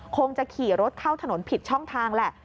คงจะขี่รถเข้าถนนผิดช่องทางแหละ